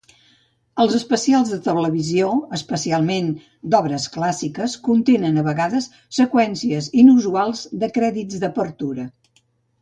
Els especials de televisió, especialment d'obres clàssiques, contenen a vegades seqüències inusuals de crèdits d'apertura.